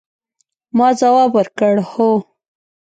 ما ځواب ورکړ، هو.